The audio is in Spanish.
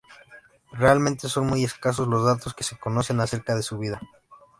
Realmente son muy escasos los datos que se conocen acerca de su vida.